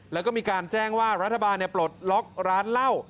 แล้วก็มีการแจ้งว่ารัฐบาลปลดล็อกร้านเหล้า